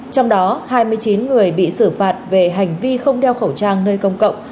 trong đó hai mươi chín người bị xử phạt về hành vi không đeo khẩu trang nơi công cộng